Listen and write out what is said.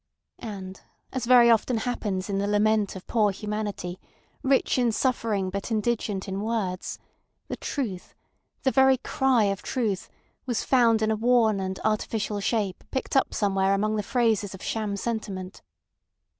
And, as often happens in the lament of poor humanity, rich in suffering but indigent in words, the truth—the very cry of truth—was found in a worn and artificial shape picked up somewhere among the phrases of sham sentiment.